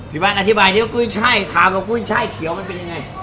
พี่แวทอธิบายที่ว่ากุ้ยไช่ขาวกับกุ้ยไช่เขียวมันเป็นยังไง